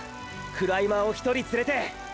クライマーを１人連れて！！